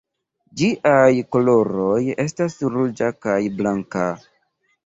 Ĝiaj koloroj estas ruĝa kaj blanka.